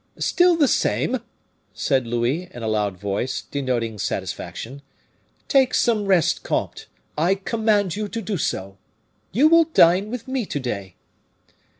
"Still the same," said Louis, in a loud voice, denoting satisfaction. "Take some rest, comte; I command you to do so. You will dine with me to day."